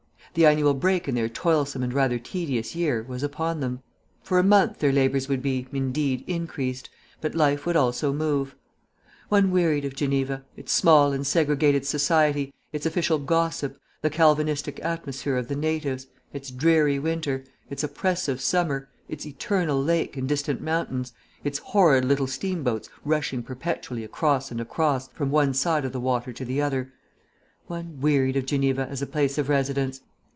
The annual break in their toilsome and rather tedious year was upon them. For a month their labours would be, indeed, increased, but life would also move. One wearied of Geneva, its small and segregated society, its official gossip, the Calvinistic atmosphere of the natives, its dreary winter, its oppressive summer, its eternal lake and distant mountains, its horrid little steamboats rushing perpetually across and across from one side of the water to the other one wearied of Geneva as a place of residence.